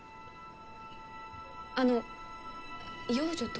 あの養女とは？